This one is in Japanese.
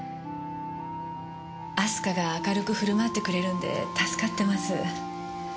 明日香が明るく振る舞ってくれるんで助かってます。